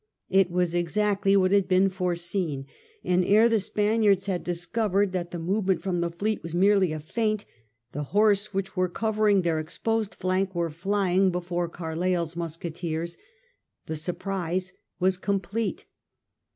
It was exactly what had been foreseen, and ere the Spaniards had discovered that the movement from the fleet was merely a feint^ the horse which were covering their exposed flank were fljring before Carleiirs musketeers. The surprise was complete.